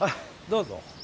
どうぞ